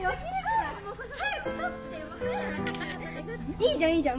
いいじゃんいいじゃん